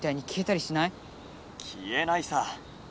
きえないさ。